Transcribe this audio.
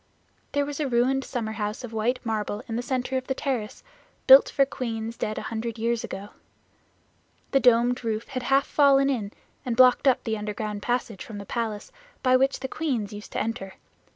There was a ruined summer house of white marble in the center of the terrace, built for queens dead a hundred years ago. The domed roof had half fallen in and blocked up the underground passage from the palace by which the queens used to enter.